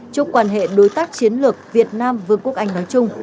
chúc quan hệ đối tác chiến lược việt nam vương quốc anh nói chung